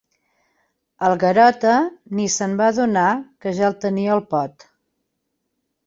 El Garota ni se'n va adonar que ja el tenia al pot.